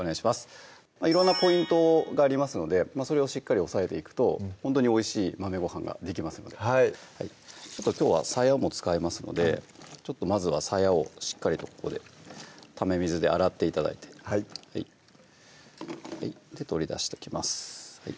色んなポイントがありますのでそれをしっかり押さえていくとほんとにおいしい「豆ご飯」ができますのできょうはさやも使いますのでまずはさやをしっかりとここでため水で洗って頂いてはい取り出しときます